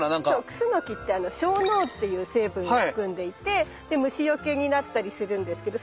クスノキって樟脳っていう成分を含んでいて虫よけになったりするんですけど